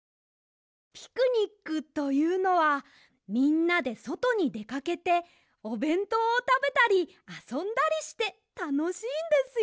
ピクニックというのはみんなでそとにでかけておべんとうをたべたりあそんだりしてたのしいんですよ！